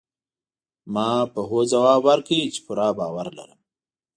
ما په هوځواب ورکړ، چي پوره باور لرم.